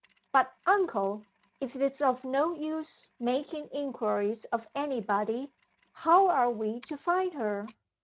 "But, uncle, if it's of no use making inquiries of any body, how are we to find her?"